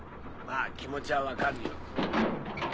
まぁ気持ちは分かるよ。